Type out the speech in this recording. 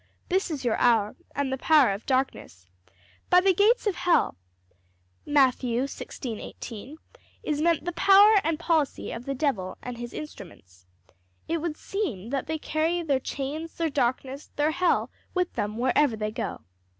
'This is your hour and the power of darkness.' By the gates of hell, Matt. 16:18, is meant the power and policy of the devil and his instruments. It would seem that they carry their chains, their darkness, their hell with them wherever they go.